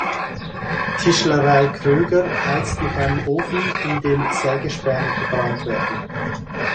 Tischlerei Kröger heizt mit einem Ofen, in dem Sägespäne verbrannt werden.